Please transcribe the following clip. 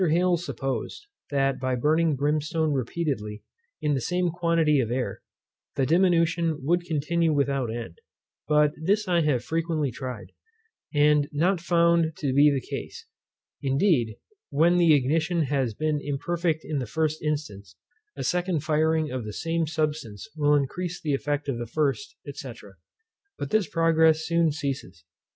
Hales supposed, that by burning brimstone repeatedly in the same quantity of air, the diminution would continue without end. But this I have frequently tried, and not found to be the case. Indeed, when the ignition has been imperfect in the first instance, a second firing of the same substance will increase the effect of the first, &c. but this progress soon ceases.